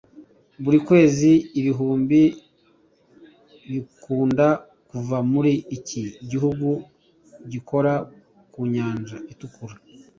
Buri kwezi ibihumbi bikunda kuva muri iki gihugu gikora ku Nyanja Itukura